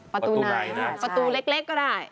ประตูเล็กก็ได้